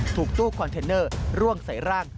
ตู้คอนเทนเนอร์ร่วงใส่ร่าง